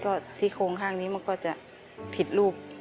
ก็ที่โครงข้างนี้มันก็จะผิดรูป